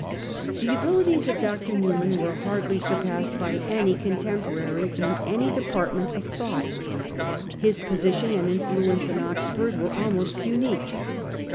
The abilities of Dr. Newman were hardly sur passed by any contemporary in any department of thought. His position and influence in Oxford wete almost unique.